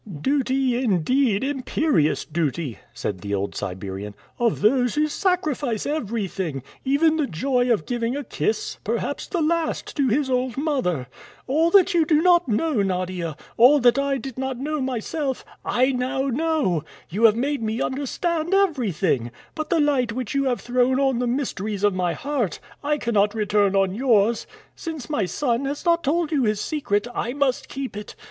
"Duty, indeed, imperious duty," said the old Siberian, "of those who sacrifice everything, even the joy of giving a kiss, perhaps the last, to his old mother. All that you do not know, Nadia all that I did not know myself I now know. You have made me understand everything. But the light which you have thrown on the mysteries of my heart, I cannot return on yours. Since my son has not told you his secret, I must keep it.